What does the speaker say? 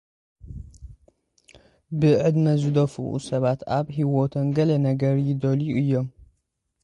ብዕድመ ዝደፍኡ ሰባት፡ ኣብ ህይወቶም ገለ ነገር ይደልዩ እዮም።